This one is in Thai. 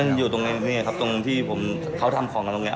มันอยู่ตรงนี้ครับตรงที่ผมเขาทำของกันตรงนี้